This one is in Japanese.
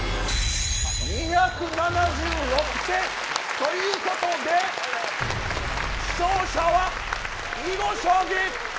ということで勝者は囲碁将棋。